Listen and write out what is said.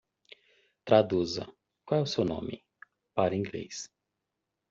Traduza "qual é o seu nome?" para Inglês.